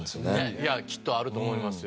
いやきっとあると思いますよ。